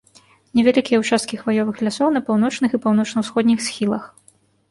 Невялікія ўчасткі хваёвых лясоў на паўночных і паўночна-ўсходніх схілах.